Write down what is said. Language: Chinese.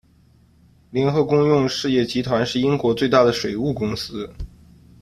联合公用事业集团是英国最大的水务公司。